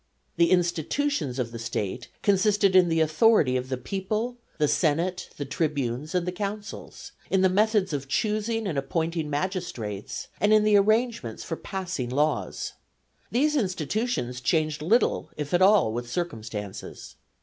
The institutions of the State consisted in the authority of the people, the senate, the tribunes, and the consuls; in the methods of choosing and appointing magistrates; and in the arrangements for passing laws. These institutions changed little, if at all, with circumstances.